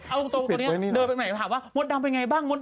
เอาตรงตัวนี้เดินไปไหนถามว่ามดดำเป็นไงบ้างมด